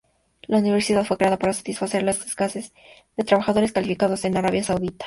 La universidad fue creada para satisfacer la escasez de trabajadores calificados en Arabia Saudita.